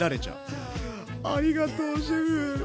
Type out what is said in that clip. ありがとうシェフ。